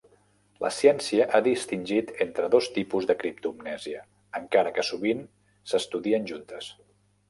La ciència ha distingit entre dos tipus de criptomnesia, encara que sovint s'estudien juntes.